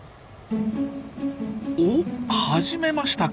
お始めましたか？